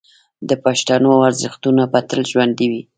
د پښتنو ارزښتونه به تل ژوندي وي.